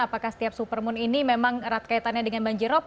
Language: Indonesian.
apakah setiap supermoon ini memang erat kaitannya dengan banjirop